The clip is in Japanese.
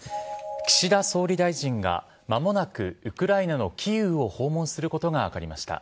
岸田総理大臣がまもなくウクライナのキーウを訪問することが分かりました。